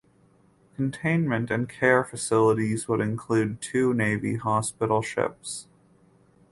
Containment and care facilities would include two Navy hospital ships.